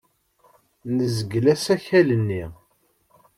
Nezgel asakal-nni.